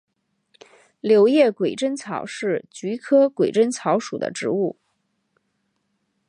柳叶鬼针草是菊科鬼针草属的植物。